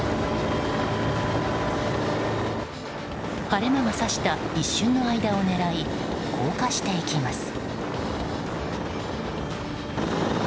晴れ間が差した一瞬の間を狙い降下していきます。